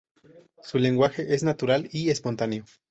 Su lenguaje es natural y espontáneo.